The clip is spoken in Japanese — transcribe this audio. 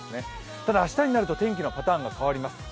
ただ、明日になると天気のパターンが変わります。